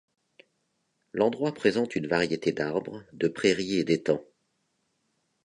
L'endroit présente une variété d'arbres, de prairies et d'étangs.